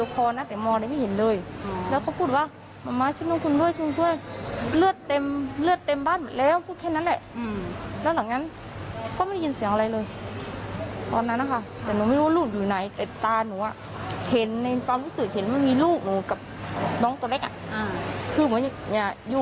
เขาเปิดวีดีโอคอนะแต่มอเล้ยยไม่เห็นเลย